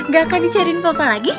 gak akan dicariin papa lagi